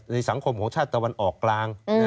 สังคมของชาติตะวันออกกลาง